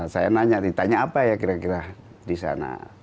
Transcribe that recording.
saya nanya ditanya apa ya kira kira di sana